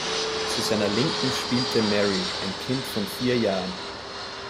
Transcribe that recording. Zu seiner Linken spielte Mary, ein Kind von vier Jahren.